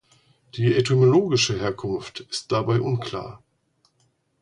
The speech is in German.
Die etymologische Herkunft ist dabei unklar.